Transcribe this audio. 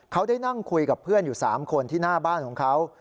เขาได้นั่งคุยกับเพื่อนอยู่๓คนที่หน้าบ้านของเขา